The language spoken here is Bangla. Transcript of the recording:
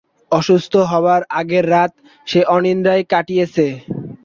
অসুস্থ হবার আগের রাত সে অনিদ্রায় কাটিয়েছে।